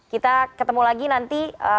kita ketemu lagi nanti